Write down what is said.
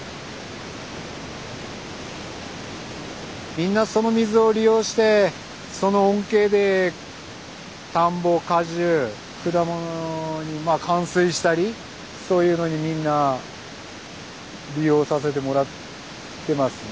みんなその水を利用してその恩恵で田んぼ果樹果物にまあ灌水したりそういうのにみんな利用させてもらってますね。